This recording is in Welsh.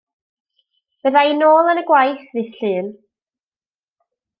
Bydda i nôl yn y gwaith ddydd Llun.